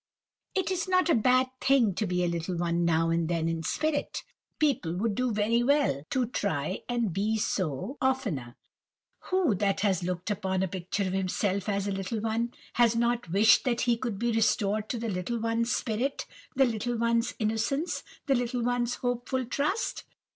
It is not a bad thing to be a "little one" now and then in spirit. People would do well to try and be so oftener. Who that has looked upon a picture of himself as a "little one," has not wished that he could be restored to the "little one's" spirit, the "little one's" innocence, the "little one's" hopeful trust?